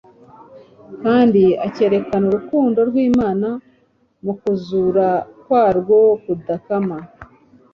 kandi akerekana urukundo rw’Imana mu kuzura kwarwo kudakama.